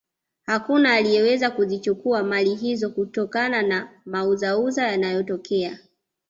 hakuna aliyeweza kuzichukua mali hizo kutokana na mauzauza yanayotokea